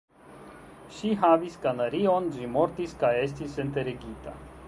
Ŝi havis kanarion; ĝi mortis kaj estis enterigita.